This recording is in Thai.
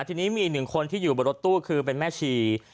ทีนี้มีอีกหนึ่งคนที่อยู่บนรถตู้คือเป็นแม่ชี